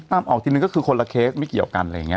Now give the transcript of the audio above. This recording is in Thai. ตั้มออกทีหนึ่งก็คือคนละเคสไม่เกี่ยวกันอะไรแบบนี้